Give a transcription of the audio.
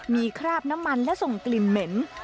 มีคราบน้ำมันและส่งกลิ่นเหม็น